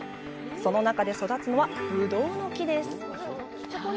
その中で育つのはブドウの木です。